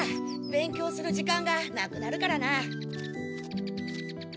勉強する時間がなくなるからな。